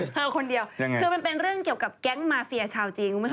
เธอคนเดียวคือมันเป็นเรื่องเกี่ยวกับแก๊งมาเฟียชาวจีนคุณผู้ชม